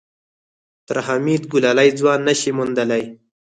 تر حميد ګلالی ځوان نه شې موندلی.